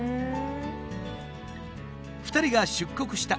２人が出国した